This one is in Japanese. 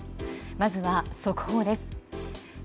まずは速報です。